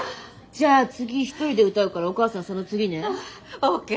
じゃあ次１人で歌うからお母さんその次ね。ＯＫ。